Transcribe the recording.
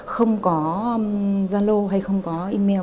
không có gia lô hay không có email